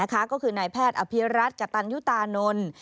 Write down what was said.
ก็คือนายแพทย์อภิรัตกตันยุตานนท์